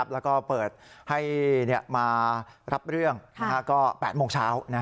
แล้วก็เปิดให้มารับเรื่องก็๘โมงเช้า